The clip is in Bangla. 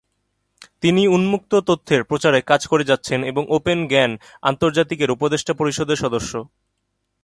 তিনি উন্মুক্ত তথ্যের প্রচারে কাজ করে যাচ্ছেন এবং ওপেন জ্ঞান আন্তর্জাতিকের উপদেষ্টা পর্ষদের সদস্য।